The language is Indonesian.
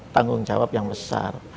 tanggung jawab yang besar